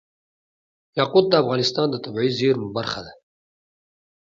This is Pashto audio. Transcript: یاقوت د افغانستان د طبیعي زیرمو برخه ده.